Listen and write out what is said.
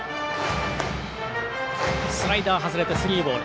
スライダー、外れてスリーボール。